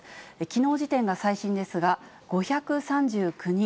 きのう時点が最新ですが、５３９人。